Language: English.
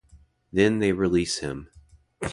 Then they release him.